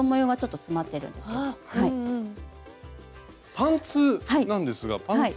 パンツなんですがパンツも。